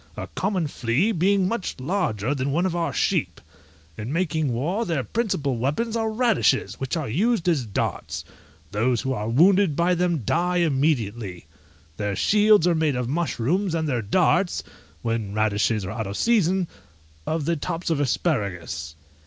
a common flea being much larger than one of our sheep: in making war, their principal weapons are radishes, which are used as darts: those who are wounded by them die immediately. Their shields are made of mushrooms, and their darts (when radishes are out of season) of the tops of asparagus.